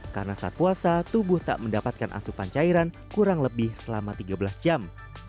karena saat puasa tubuh tak mendapatkan asupan cairan kurang lebih selama tiga belas jam